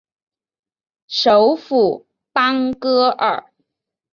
首府邦戈尔。